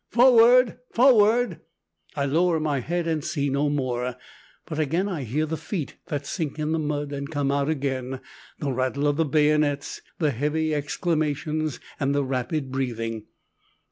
"Forward! Forward!" I lower my head and see no more; but again I hear the feet that sink in the mud and come out again, the rattle of the bayonets, the heavy exclamations, and the rapid breathing.